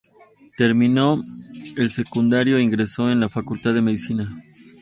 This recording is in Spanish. Terminó el secundario e ingresó en la Facultad de Medicina.